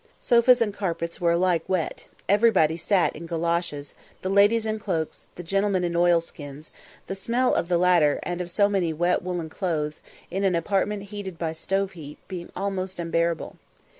Sofas and carpets were alike wet, everybody sat in goloshes the ladies in cloaks, the gentlemen in oilskins; the smell of the latter, and of so many wet woollen clothes, in an apartment heated by stove heat, being almost unbearable.